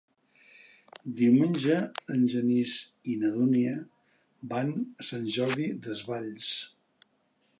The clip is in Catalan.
Diumenge en Genís i na Dúnia van a Sant Jordi Desvalls.